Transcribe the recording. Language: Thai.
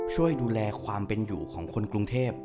ช่วยดูแลความเป็นอยู่ของคนกรุงเทพ